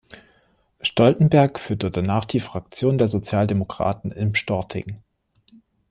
Stoltenberg führte danach die Fraktion der Sozialdemokraten im Storting.